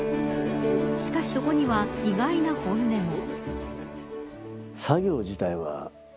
しかし、そこには意外な本音も。